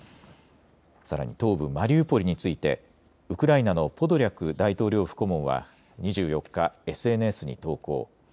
さらに東部マリウポリについてウクライナのポドリャク大統領府顧問は２４日、ＳＮＳに投稿。